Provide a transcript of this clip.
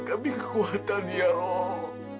kami kekuatan ya allah